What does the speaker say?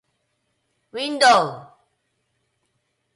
window